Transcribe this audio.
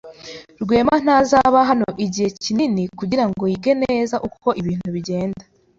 Rwema ntazaba hano igihe kinini kugirango yige neza uko ibintu bigenda.